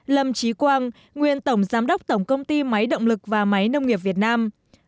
năm lâm trí quang nguyên tổng giám đốc tổng công ty máy động lực và máy nông nghiệp việt nam